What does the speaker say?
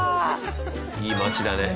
いい街だね。